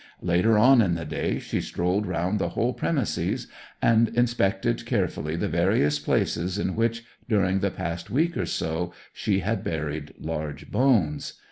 Later on in the day she strolled round the whole premises, and inspected carefully the various places in which, during the past week or so, she had buried large bones.